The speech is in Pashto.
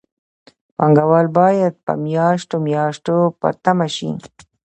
پانګوال باید په میاشتو میاشتو په تمه شي